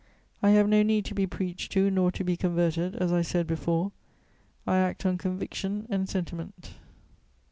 I have no need to be preached to nor to be converted, as I said before; I act on conviction and sentiment.